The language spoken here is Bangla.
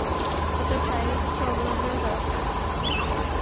অতএব শারীরিক কিছু অবলম্বনের দরকার।